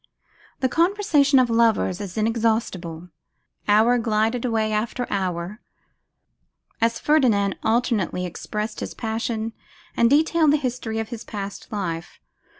The conversation of lovers is inexhaustible. Hour glided away after hour, as Ferdinand alternately expressed his passion and detailed the history of his past life.